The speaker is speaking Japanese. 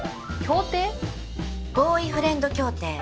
ボーイフレンド協定。